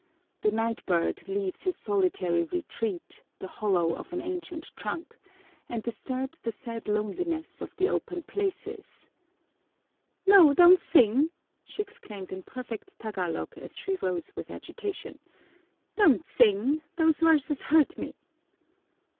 The nightbird leaves his solitary retreat, the hollow of an ancient trunk, and disturbs the sad loneliness of the open places " "No, don't sing!" she exclaimed in perfect Tagalog, as she rose with agitation. "Don't sing! Those verses hurt me."